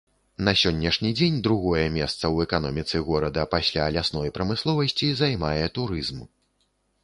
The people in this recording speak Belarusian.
На сённяшні дзень другое месца ў эканоміцы горада пасля лясной прамысловасці займае турызм.